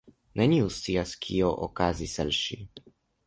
Neniu scias kio okazis al ŝi